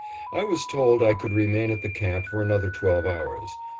I was told I could remain at the camp for another twelve hours.